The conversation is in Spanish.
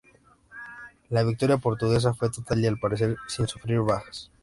La victoria portuguesa fue total y al parecer sin sufrir bajas.